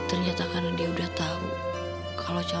ternyata karena dia udah tahu kalau calon istri abah itu mamanya